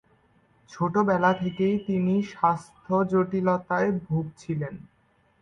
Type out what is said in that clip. ছোটবেলা থেকেই তিনি স্বাস্থ্য জটিলতায় ভুগছিলেন।